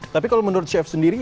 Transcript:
tapi kalau menurut chef sendiri